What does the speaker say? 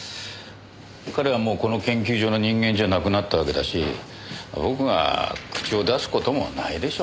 彼はもうこの研究所の人間じゃなくなったわけだし僕が口を出す事もないでしょ。